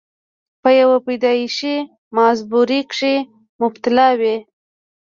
پۀ يو پېدائشي معذورۍ کښې مبتلا وي،